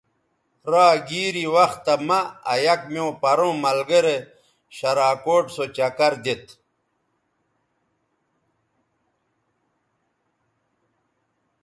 را گیری وختہ مہ آ یک میوں پروں ملگرے شراکوٹ سو چکر دیتھ